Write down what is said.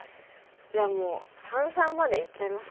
じゃあもう三々までいっちゃいますか。